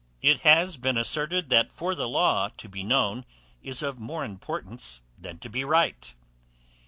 It has been asserted, that for the law to be KNOWN, is of more importance than to be RIGHT.